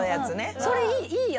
それいい。